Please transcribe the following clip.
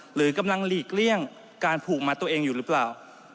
หรือกำลังหลีกเลี่ยงการผูกมัดตัวเองอยู่หรือเปล่า